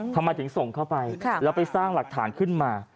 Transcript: ทำไมถึงส่งเข้าไปแล้วไปสร้างหลักฐานขึ้นมา